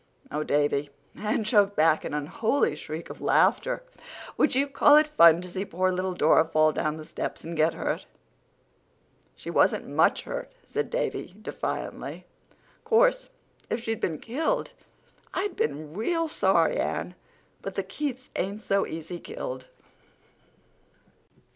"Oh, Davy!" Anne choked back an unholy shriek of laughter. "Would you call it fun to see poor little Dora fall down the steps and get hurt?" "She wasn't much hurt," said Davy, defiantly. "'Course, if she'd been killed I'd have been real sorry, Anne. But the Keiths ain't so easy killed.